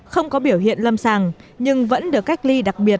không có biểu hiện lâm sàng nhưng vẫn được cách ly đặc biệt